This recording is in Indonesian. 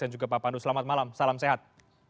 dan juga pak pandu selamat malam salam sehat